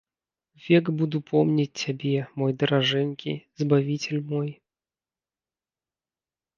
Век буду помніць цябе, мой даражэнькі, збавіцель мой.